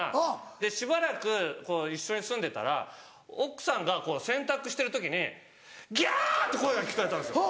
でしばらく一緒に住んでたら奥さんが洗濯してる時に「ギャ！」って声が聞こえたんですよ。